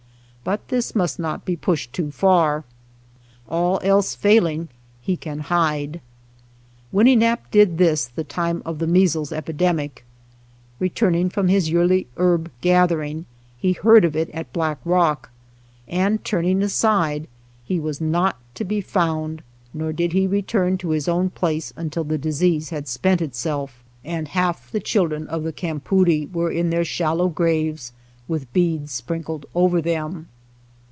But this must not be pushed too far. All else failing, he can hide. Winnenap' did this the time of the measles epidemic. Returning from his yearly herb gathering, he heard of it at Black Rock, and turning aside, he was not to be found, nor did he return to his own place until the disease had spent itself, and half the children of the campoodie were in their shallow graves with beads sprinkled over them.